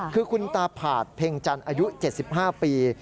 คือคุณตาผาดเพ็งจันทร์อายุ๗๕ปี